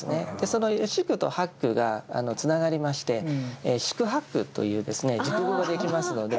その四苦と八苦がつながりまして「四苦八苦」という熟語ができますので。